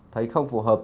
thấy không phù hợp